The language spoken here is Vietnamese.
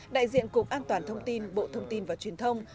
đại diện cục an toàn thông tin bộ thông tin và truyền thông